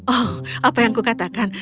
oh apa yang kukatakan